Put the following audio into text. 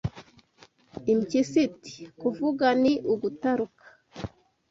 Impyisi iti Kuvuga ni ugutaruka